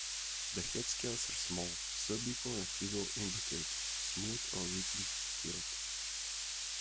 The head scales are small, subequal and feebly imbricate, smooth or weakly keeled.